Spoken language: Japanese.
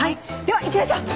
では行きましょう。